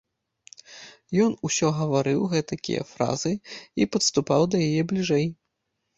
Ён усё гаварыў гэтакія фразы і падступаў да яе бліжэй.